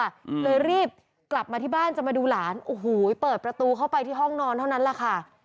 อืมเลยรีบกลับมาที่บ้านจะมาดูหลานโอ้โหเปิดประตูเข้าไปที่ห้องนอนเท่านั้นแหละค่ะ